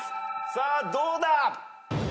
さあどうだ？